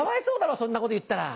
そんなこと言ったら。